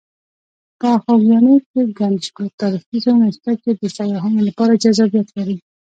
په خوږیاڼي کې ګڼ شمېر تاریخي ځایونه شته چې د سیاحانو لپاره جذابیت لري.